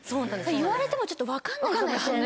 言われてもちょっと分かんないかもしれないですね。